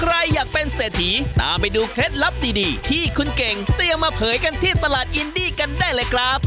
ใครอยากเป็นเศรษฐีตามไปดูเคล็ดลับดีที่คุณเก่งเตรียมมาเผยกันที่ตลาดอินดี้กันได้เลยครับ